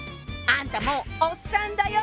あんたもうおっさんだよ！